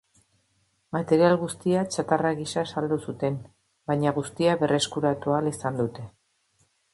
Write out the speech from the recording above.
Material guztia txatarra gisa saldu zuten, baina guztia berreskuratu ahal izan dute.